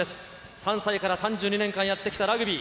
３歳から３２年間やってきたラグビー。